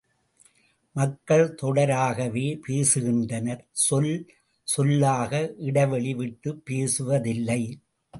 மக்கள் தொடராகவே பேசுகின்றனர் சொல் சொல்லாக இடைவெளி விட்டுப் பேசுவதில்லை.